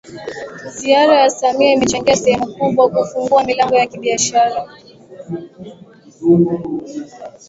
Ziara ya Samia imechangia sehemu kubwa kufungua milango ya kibiashara